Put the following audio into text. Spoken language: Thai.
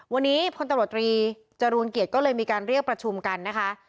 วันนี้พลตำรวจตรีจรูลเกียรติก็เลยมีการเรียกประชุมกันนะคะ